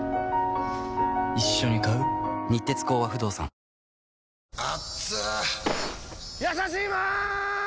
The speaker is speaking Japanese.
失礼やさしいマーン！！